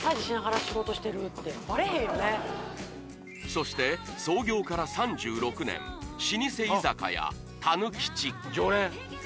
そして創業から３６年老舗居酒屋常連